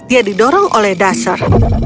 dia didorong oleh dasar